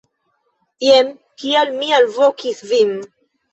Jen kial mi alvokis vin.